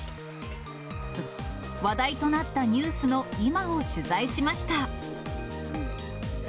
話題となったニュースの今を取材しました。